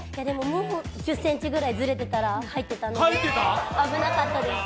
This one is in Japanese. もう１０ｃｍくらいずれてたら入ってたので危なかったです。